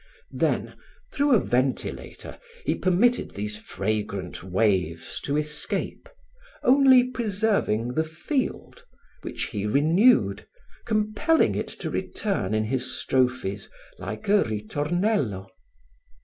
Then, through a ventilator, he permitted these fragrant waves to escape, only preserving the field which he renewed, compelling it to return in his strophes like a ritornello.